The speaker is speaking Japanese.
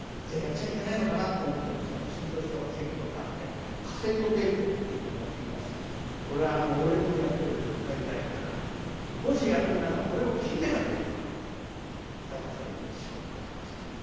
じゃあやっちゃいけないのかなと思ってましたら志ん朝師匠が席を立ってカセットテープを１本持ってきまして「これ俺のやってる『火焔太鼓』だからもしやるんならこれを聴いてからやってくれ」と温かい師匠でございました。